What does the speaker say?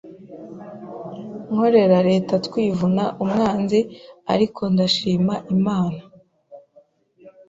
nkorera Leta twivuna umwanzi ariko ndashima Imana